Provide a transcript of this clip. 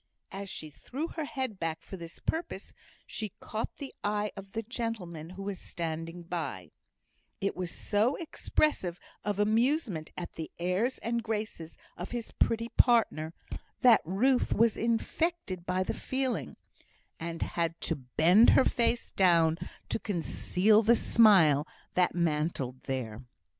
As she threw her head back for this purpose, she caught the eye of the gentleman who was standing by; it was so expressive of amusement at the airs and graces of his pretty partner, that Ruth was infected by the feeling, and had to bend her face down to conceal the smile that mantled there.